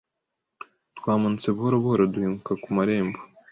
Twamanutse buhoro buhoro duhinguka mu marembo